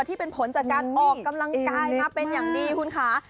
ที่เป็นผลจากการออกกำลังกายมาเป็นอย่างดีคุณค่ะ